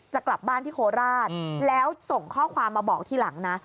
จะกลับบ้านที่โคราชแล้วส่งข้อความมาบอกทีหลังนะ